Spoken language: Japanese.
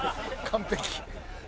完璧。